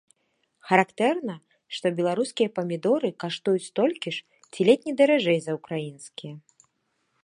Характэрна, што беларускія памідоры каштуюць столькі ж ці ледзь не даражэй за ўкраінскія.